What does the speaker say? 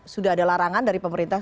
sudah ada larangan dari pemerintah